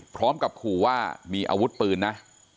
พร้อมกับขู่ว่ามีอาวุธปืนนะ